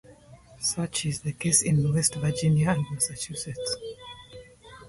Such is the case in West Virginia and Massachusetts.